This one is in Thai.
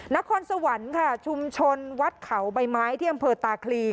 นครสวรรค์ค่ะชุมชนวัดเขาใบไม้ที่อำเภอตาคลี